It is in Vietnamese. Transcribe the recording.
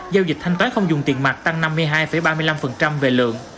giao dịch thanh toán không dùng tiền mặt tăng năm mươi hai ba mươi năm về lượng